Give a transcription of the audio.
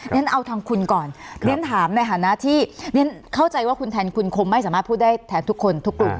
งั้นเอาทางคุณก่อนเรียนถามในฐานะที่เข้าใจว่าคุณแทนคุณคงไม่สามารถพูดได้แทนทุกคนทุกกลุ่ม